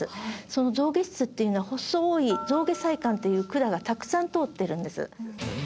その象牙質っていうのは細い象牙細管という管がたくさん通ってるんです